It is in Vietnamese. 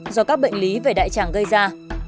do các bệnh lý về đại tràng gây ra